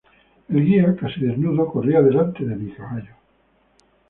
el guía, casi desnudo, corría delante de mi caballo.